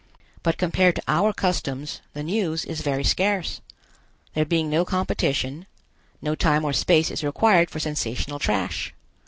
But compared to our customs, the news is very scarce. There being no competition, no time or space is required for sensational trash.